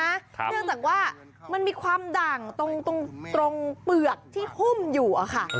เนื่องจากว่ามันมีความด่างตรงเปลือกที่หุ้มอยู่อะค่ะ